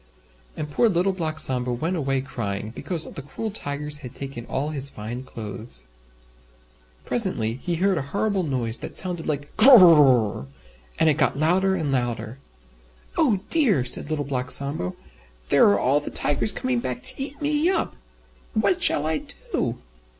And poor Little Black Sambo went away crying, because the cruel Tigers had taken all his fine clothes. Presently he heard a horrible noise that sounded like "Gr r r r rrrrrrr," and it got louder and louder. "Oh dear!" said Little Black Sambo, "There are all the Tigers coming back to eat me up! What shall I do?"